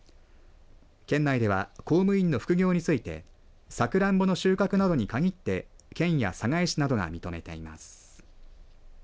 県内では公務員の副業についてさくらんぼの収穫などに限って県や寒河江市などが認めています。